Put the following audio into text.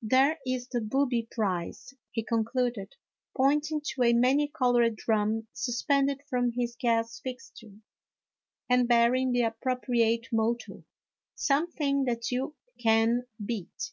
There is the booby prize," he concluded, pointing to a many colored drum suspended from his gas fixture, and bearing the appropriate motto, " Something that you can beat."